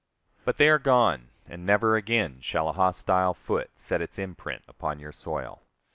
But they are gone, and never again shall a hostile foot set its imprint upon your soil.